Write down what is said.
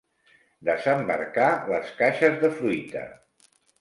Desembarcar les caixes de fruita.